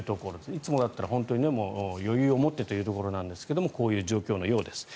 いつもだったら本当に余裕を持ってというところですがこういう状況のようです。